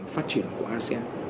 phát triển của asean